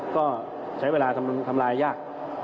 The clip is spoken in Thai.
ก็ใช้เวลาทำลายยาก